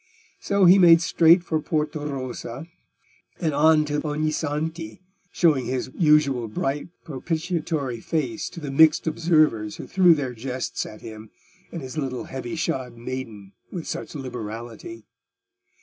So he made straight for Porta Rossa, and on to Ognissanti, showing his usual bright propitiatory face to the mixed observers who threw their jests at him and his little heavy shod maiden with much liberality.